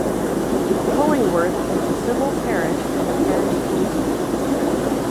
Cullingworth is a civil parish with a parish council.